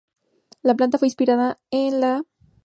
La planta fue inspirada en la ya citada iglesia templaria.